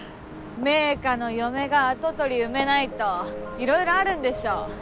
名家の嫁が跡取り産めないといろいろあるんでしょ？